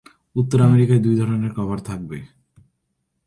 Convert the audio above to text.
উত্তর আমেরিকায় দুই ধরনের কভার থাকবে।